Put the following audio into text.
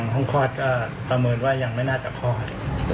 ห้องคลอดก็ประเมินว่ายังไม่น่าจะคลอด